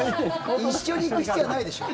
一緒に行く必要ないでしょう。